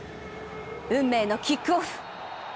運命のキックオフ。